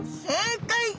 正解！